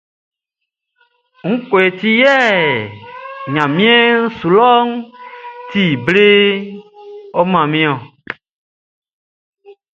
Ngue ti yɛ ɲanmiɛn su lɔʼn ti ble ɔ, manmi?